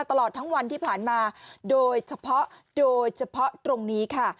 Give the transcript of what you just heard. ตลอดทั้งวันที่ผ่านมาโดยเฉพาะโดยเฉพาะตรงนี้ค่ะ